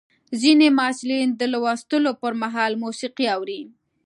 ځینې محصلین د لوستلو پر مهال موسیقي اوري.